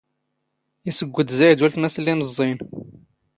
ⵉⵙⵙⴳⴳⵯⴷ ⵣⴰⵢⴷ ⵓⵍⵜⵎⴰⵙ ⵍⵍⵉ ⵉⵎⵥⵥⵉⵢⵏ.